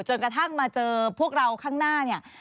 จนกระทั่งมาเจอพวกเราข้างหน้าเนี่ย